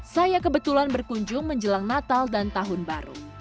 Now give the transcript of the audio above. saya kebetulan berkunjung menjelang natal dan tahun baru